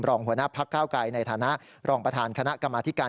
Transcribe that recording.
รองหัวหน้าพักเก้าไกรในฐานะรองประธานคณะกรรมธิการ